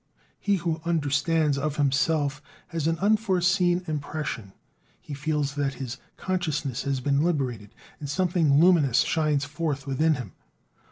He who understands of himself has an unforeseen impression; he feels that his consciousness has been liberated, and something luminous shines forth within him.